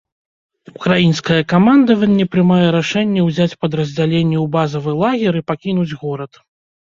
Украінскае камандаванне прымае рашэнне ўзяць падраздзяленні ў базавы лагер і пакінуць горад.